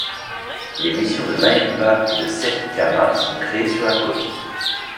Les missions de Mayumba et de Sette Cama sont créés sur la côte.